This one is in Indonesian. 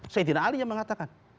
saidina ali yang mengatakan